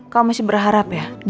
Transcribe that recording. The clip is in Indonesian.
kamu mau berjalan ke mana